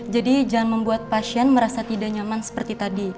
jadi jangan membuat pasien merasa tidak nyaman seperti tadi